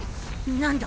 ・何だ？